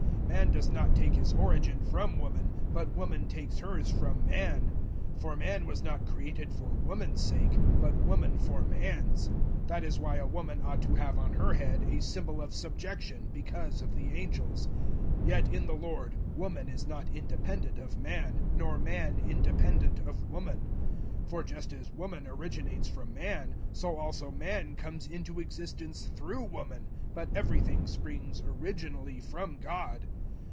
011:008 Man does not take his origin from woman, but woman takes hers from man. 011:009 For man was not created for woman's sake, but woman for man's. 011:010 That is why a woman ought to have on her head a symbol of subjection, because of the angels. 011:011 Yet, in the Lord, woman is not independent of man nor man independent of woman. 011:012 For just as woman originates from man, so also man comes into existence through woman, but everything springs originally from God.